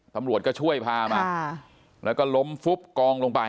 ตำรวจก็ช่วยพามาแล้วก็ล้มฟุบกองลงไป